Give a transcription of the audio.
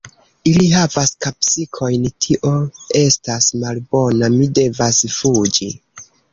Ili havas kapsikojn tio estas malbona; mi devas fuĝi